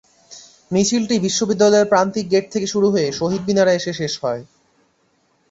মিছিলটি বিশ্ববিদ্যালয়ের প্রান্তিক গেট থেকে শুরু হয়ে শহীদ মিনারে এসে শেষ হয়।